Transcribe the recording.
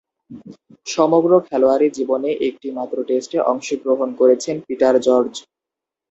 সমগ্র খেলোয়াড়ী জীবনে একটিমাত্র টেস্টে অংশগ্রহণ করেছেন পিটার জর্জ।